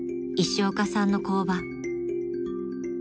［石岡さんの工場］